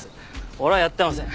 俺はやってません。